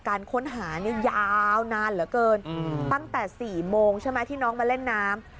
การค้นหาเนี่ยยาวนานเหลือเกินตั้งแต่๔โมงใช่ไหมที่น้องมาเล่นน้ำ